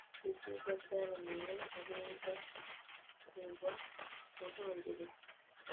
ibyiza byaremewe abeza kuva mu ntangiriro